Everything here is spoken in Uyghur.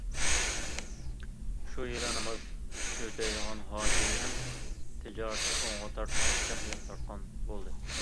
شۇ يىلى ناماز ئۆتەيدىغان ھاجىمنىڭ تىجارىتى ئوڭغا تارتماي جىق زىيان تارتقان بولدى.